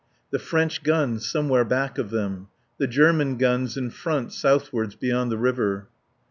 The French guns somewhere back of them. The German guns in front southwards beyond the river.